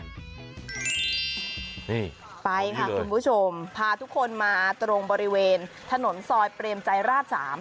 นี่ไปค่ะคุณผู้ชมพาทุกคนมาตรงบริเวณถนนซอยเปรมใจราช๓